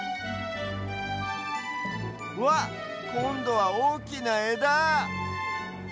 うわっこんどはおおきなえだ！